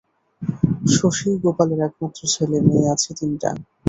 শশীই গোপালের একমাত্র ছেলে, মেয়ে আছে তিনটি।